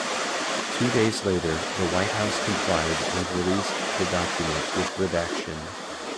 Two days later, the White House complied and released the document with redaction.